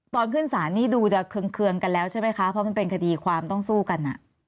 ตอนขึ้นศาลนี่ดูจะเคืองกันแล้วใช่ไหมคะเพราะมันเป็นคดีความต้องสู้กัน